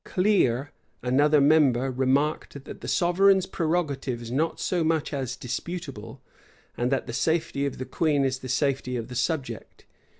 [*] Cleere, another member, remarked, that the sovereign's prerogative is not so much as disputable, and that the safety of the queen is the safety of the subject.